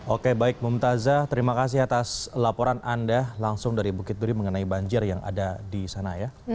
oke baik mumtazah terima kasih atas laporan anda langsung dari bukit duri mengenai banjir yang ada di sana ya